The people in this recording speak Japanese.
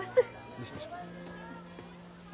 失礼します。